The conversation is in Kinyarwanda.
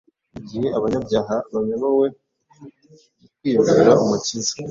Igihe abanyabyaha bayobowe mu kwiyegurira Umukiza,